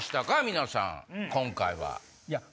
皆さん今回は。